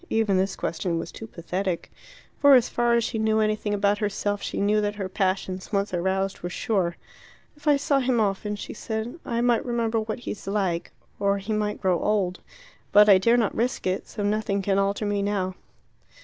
Even this question was too pathetic. For as far as she knew anything about herself, she knew that her passions, once aroused, were sure. "If I saw him often," she said, "I might remember what he is like. Or he might grow old. But I dare not risk it, so nothing can alter me now."